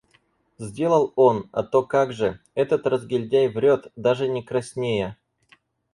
Сделал он, а то как же. Этот разгильдяй врёт, даже не краснея.